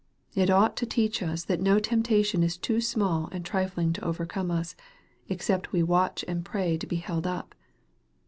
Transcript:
It ought to teach us that no temptation is too small and trifling to overcome us, except we watch and pray to be held up.